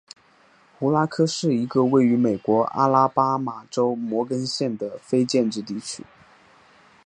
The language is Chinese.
胡拉科是一个位于美国阿拉巴马州摩根县的非建制地区。